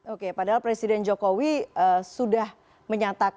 oke padahal presiden jokowi sudah menyatakan